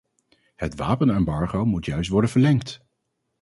Het wapenembargo moet juist worden verlengd.